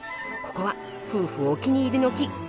ここは夫婦お気に入りの木。